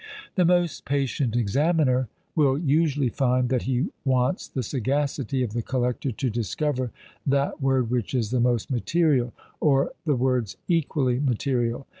The most patient examiner will usually find that he wants the sagacity of the collector to discover that word which is "the most material," or, "the words equally material."